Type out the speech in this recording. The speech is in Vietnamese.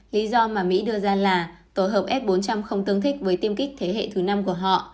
lý do mà mỹ đưa ra là tổ hợp s bốn trăm linh không tương thích với tiêm kích thế hệ thứ năm của họ